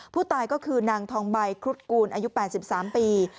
ผู้ตายก็คือนางทองใบครุฑกูลอายุ๘๓ปี